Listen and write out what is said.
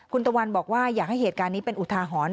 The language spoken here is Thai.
คุณตะวันบอกว่าอยากให้เหตุการณ์นี้เป็นอุทาหรณ์